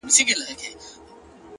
هر منزل د هڅو ثبوت غواړي!.